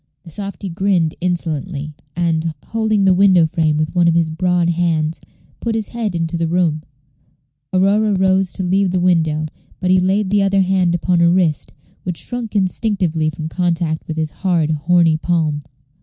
The softy grinned insolently, and, holding the window frame with one of his broad hands, put his head into the room. Aurora rose to leave the window; but he laid the other hand upon her wrist, which shrunk instinctively from contact with his hard, horny palm.